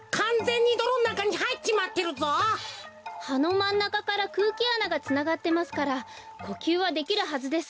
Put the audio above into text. まんなかからくうきあながつながってますからこきゅうはできるはずです。